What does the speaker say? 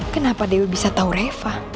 kenapa dewi bisa tahu reva